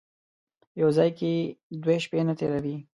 یو ځای کې دوې شپې نه تېروي.